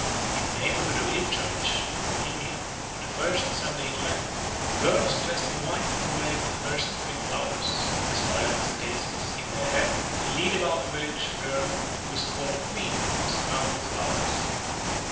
In the neighbourhood of Libchowic (Bohemia), on the fourth Sunday in Lent, girls dressed in white and wearing the first spring flowers, as violets and daisies, in their hair, lead about the village a girl who is called the Queen and is crowned with flowers.